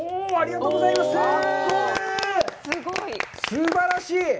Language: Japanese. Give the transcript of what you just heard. すばらしい！